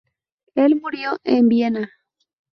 Él murió en Viena.